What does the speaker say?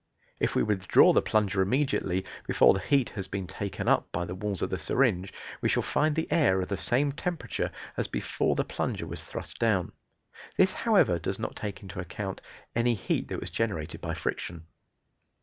If we withdraw the plunger immediately, before the heat has been taken up by the walls of the syringe, we shall find the air of the same temperature as before the plunger was thrust down. This, however, does not take into account any heat that was generated by friction.